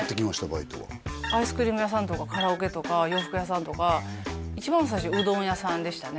バイトはアイスクリーム屋さんとかカラオケとか洋服屋さんとか一番最初うどん屋さんでしたね